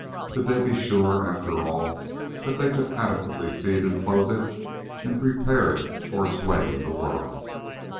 Could they be sure, after all, that they could adequately feed and clothe it and prepare it for its way in the world?